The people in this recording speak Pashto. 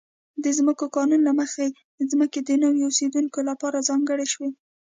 د ځمکو قانون له مخې ځمکې د نویو اوسېدونکو لپاره ځانګړې شوې.